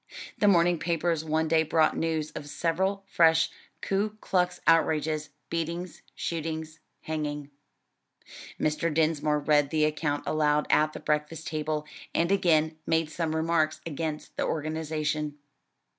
The morning papers one day brought news of several fresh Ku Klux outrages, beatings, shootings, hanging. Mr. Dinsmore read the account aloud at the breakfast table, and again made some remarks against the organization.